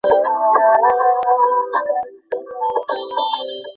সিঁড়িতে হঠাৎ হেমনলিনীর সঙ্গে দেখা হইল।